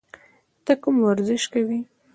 ته کوم ورزش کوې؟